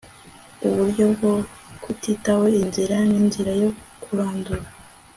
uburyo bwo kutitaho inzira n'inzira yo kurandura